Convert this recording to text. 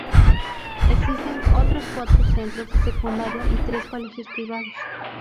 Existen otros cuatro centros de secundaria y tres colegios privados.